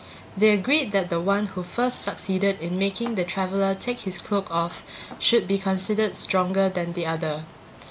They agreed that the one who first succeeded in making the traveler take his cloak off should be considered stronger than the other.